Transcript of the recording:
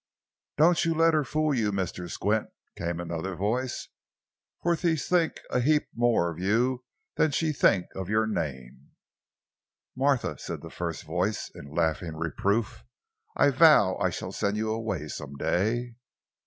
"Doan' yo' let her fool yo', Mr. Squint!" came another voice, "fo' she think a heap mo' of you than she think of yo' name!" "Martha!" said the first voice in laughing reproof, "I vow I shall send you away some day!"